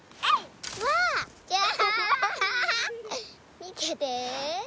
みてて。